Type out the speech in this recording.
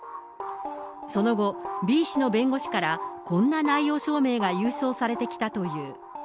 その後、Ｂ氏の弁護士から、こんな内容証明が郵送されてきたという。